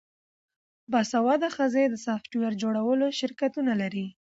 باسواده ښځې د سافټویر جوړولو شرکتونه لري.